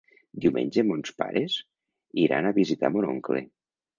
Diumenge mons pares iran a visitar mon oncle.